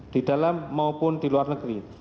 di dalam maupun di luar negeri